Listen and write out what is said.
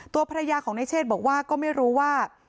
ตัวภรรยาของในเชศบอกว่าก็ไม่รู้ว่า